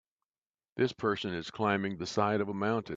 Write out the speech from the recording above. This person is climbing the side of a mountain.